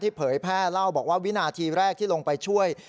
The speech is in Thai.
เผยแพร่เล่าบอกว่าวินาทีแรกที่ลงไปช่วย